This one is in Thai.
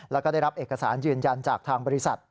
แล้วก็ได้รับเอกสารยืนยันจากทางบริษัท